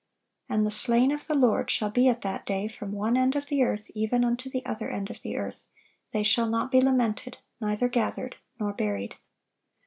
"And the slain of the Lord shall be at that day from one end of the earth even unto the other end of the earth: they shall not be lamented, neither gathered, nor buried."